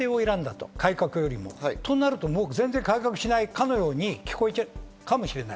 安定を選んだと、改革よりも。となると、全然改革しないかのように聞こえちゃうかもしれない。